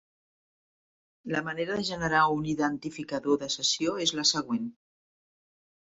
La manera de generar un identificador de sessió és la següent.